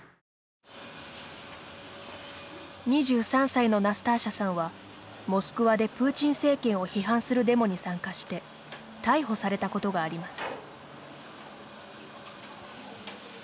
２３歳のナスターシャさんはモスクワでプーチン政権を批判するデモに参加して逮捕されたことがあります。